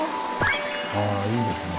あぁいいですね。